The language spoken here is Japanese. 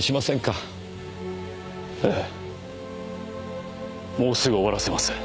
ええもうすぐ終わらせます。